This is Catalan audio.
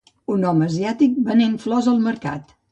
Un home asiàtic venent flors al mercat.